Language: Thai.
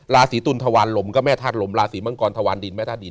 ราศีตุลทวารลมก็แม่ธาตุลมราศีมังกรทวารดินแม่ธาตุดิน